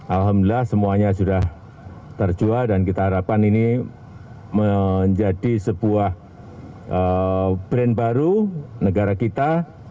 alhamdulillah semuanya sudah terjual dan kita harapkan ini menjadi sebuah brand baru negara kita